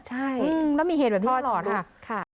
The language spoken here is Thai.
ใช่แล้วมีเหตุแบบนี้มาสอนค่ะ